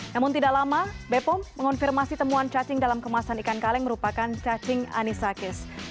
namun tidak lama bepom mengonfirmasi temuan cacing dalam kemasan ikan kaleng merupakan cacing anisakis